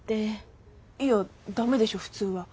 いや駄目でしょ普通は。